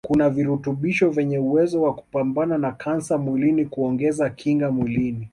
kuna virutubisho vyenye uwezo wa kupambana na kansa mwilini kuongeza kinga mwilini